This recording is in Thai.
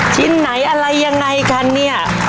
ชิ้นไหนอะไรยังไงกันเนี่ย